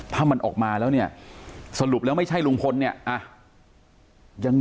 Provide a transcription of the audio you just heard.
ถ้ามันออกมาแล้วเนี่ยสรุปแล้วไม่ใช่ลุงพลเนี่ยยัง